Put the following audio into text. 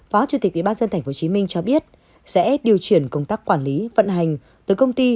phó chủ tịch ủy ban dân tp hcm cho biết sẽ điều chuyển công tác quản lý vận hành từ công ty